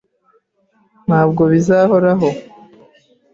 Ntabwo bizahoraho.